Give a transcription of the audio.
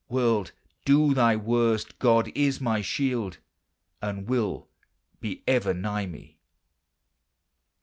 World, do thy worst! God is my shield! And will be ever nigh me.